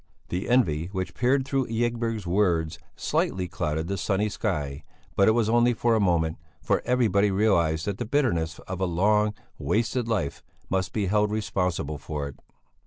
The envy which peered through Ygberg's words slightly clouded the sunny sky; but it was only for a moment, for everybody realized that the bitterness of a long, wasted life, must be held responsible for it.